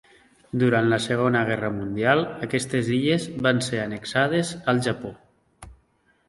Durant la Segona Guerra Mundial aquestes illes van ser annexades al Japó.